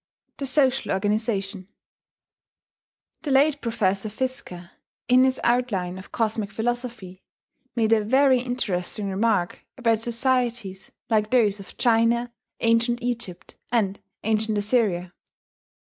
THE SOCIAL ORGANIZATION The late Professor Fiske, in his Outline of Cosmic Philosophy, made a very interesting remark about societies like those of China, ancient Egypt, and ancient Assyria.